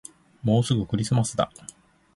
もうすぐクリスマスだ